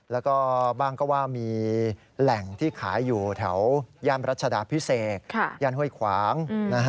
แล้วก็บ้างก็ว่ามีแหล่งที่ขายอยู่แถวย่านรัชดาพิเศษย่านห้วยขวาง